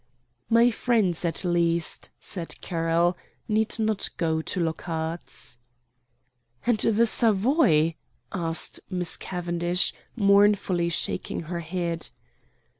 "My friends, at least," said Carroll, "need not go to Lockhart's." "And the Savoy?" asked Miss Cavendish, mournfully shaking her head.